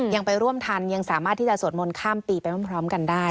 ยังไปร่วมทันยังสามารถที่จะสวดมนต์ข้ามปีไปพร้อมกันได้